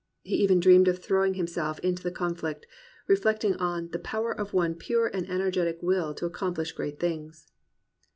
He even dreamed of throwing himself into the conflict, reflecting on "the power of one pure and energetic will to accomplish great things."